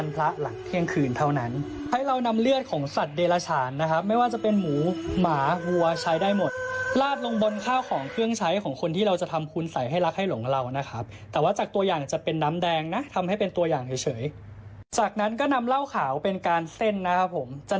ไปดูคลิปนี้กันซะหน่อยนะครับ